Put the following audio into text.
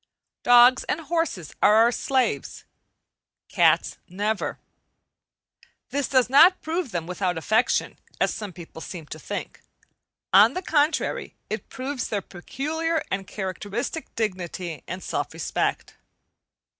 Dogs and horses are our slaves; cats never. This does not prove them without affection, as some people seem to think; on the contrary, it proves their peculiar and characteristic dignity and self respect.